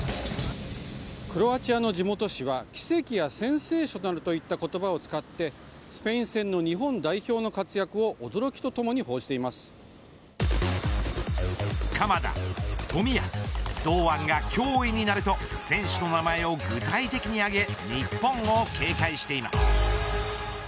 クロアチアの地元紙は奇跡やセンセーショナルといった言葉を使ってスペイン戦の日本代表の活躍を鎌田、冨安堂安が脅威になると選手の名前を具体的に挙げ日本を警戒しています。